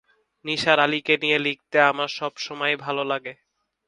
নিসার আলিকে নিয়ে লিখতে আমার সব সময়ই ভাল লাগে।